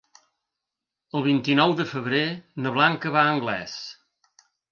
El vint-i-nou de febrer na Blanca va a Anglès.